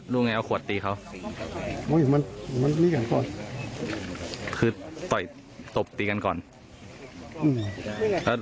ลุงอิจโน้นว่าพูดจะไหว